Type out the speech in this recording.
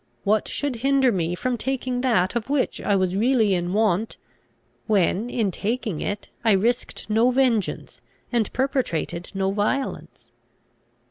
What should hinder me from taking that of which I was really in want, when, in taking it, I risked no vengeance, and perpetrated no violence?